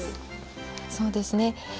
そうですね